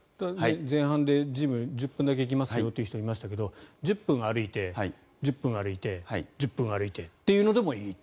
前半でジム１０分だけ行きますよという人がいましたが１０分歩いて１０分歩いて１０分歩いてというのでもいいと。